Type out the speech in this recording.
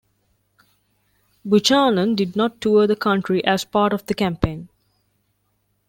Buchanan did not tour the country as part of the campaign.